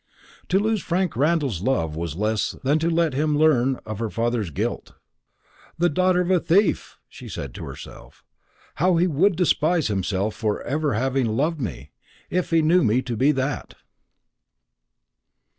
To lose Frank Randall's love was less than to let him learn her father's guilt. "The daughter of a thief!" she said to herself. "How he would despise himself for having ever loved me, if he knew me to be that!"